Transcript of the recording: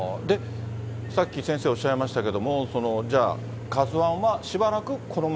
さっき先生おっしゃいましたけれども、じゃあＫＡＺＵＩはそうですね。